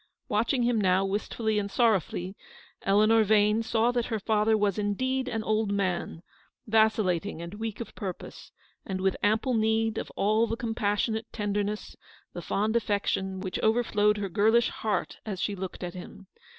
Watch ing him now, wistfully and sorrowfully, Eleanor Vane saw that her father was indeed an old man, vacillating and weak of purpose, and with ample need of all the compassionate tenderness, the fond affection, which overflowed her girlish heart as she THE ENTRESOL IN THE RUE BE l'aRCHEVEQUE. 37 looked at him.